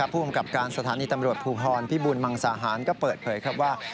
ผู้กำกับการสถานีตำรวจภูทรพิบูรมังสาหารก็เปิดเผยครับว่า